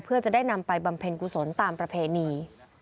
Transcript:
เพื่อจะได้นำไปบำเพ็ญกุศลตามประเพณี